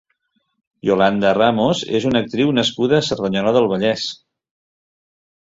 Yolanda Ramos és una actriu nascuda a Cerdanyola del Vallès.